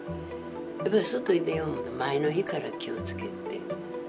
やっぱり外へ出よう思うと前の日から気を付けて。